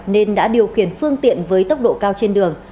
nên đã điều khiển phương tiện với tốc độ cao trên đường